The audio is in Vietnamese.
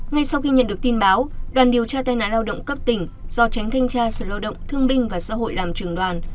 ngay sau khi nhận được tin báo đoàn điều tra tai nạn lao động cấp tỉnh do tránh thanh tra sở lao động thương binh và xã hội làm trường đoàn